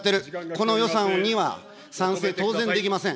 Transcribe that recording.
この予算には賛成、当然できません。